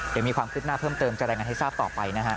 เดี๋ยวมีความคืบหน้าเพิ่มเติมจะรายงานให้ทราบต่อไปนะฮะ